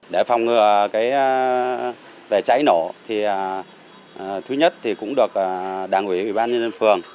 để phòng cháy nổ thì thứ nhất thì cũng được đảng ủy ủy ban nhân dân phường